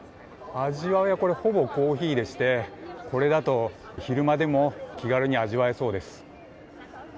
味は、ほぼコーヒーでしてこれだと昼間でも気軽に味わえそうです。